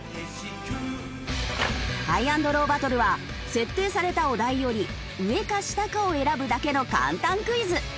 ハイ＆ローバトルは設定されたお題より上か下かを選ぶだけの簡単クイズ。